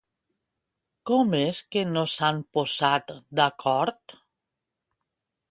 Com és que no s'han posat d'acord?